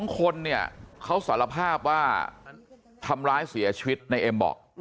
๒คนเนี่ยเขาสารภาพว่าทำร้ายเสียชีวิตในเอ็มบอก